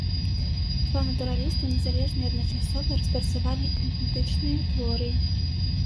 Два натураліста незалежна і адначасова распрацавалі ідэнтычныя тэорыі.